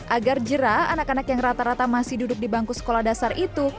agar jerah anak anak yang rata rata masih duduk di bangku sekolah dasar itu